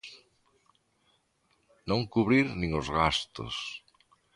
Non cubrir nin os gastos.